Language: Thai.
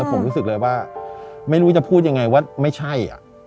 ผมรู้สึกเลยว่าไม่รู้จะพูดยังไงว่าไม่ใช่